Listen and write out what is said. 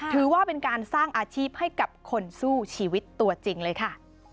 ถือว่าเป็นการสร้างอาชีพให้กับคนสู้ชีวิตตัวจริงเลยค่ะ